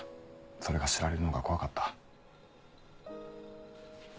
それが知られるのが怖かった。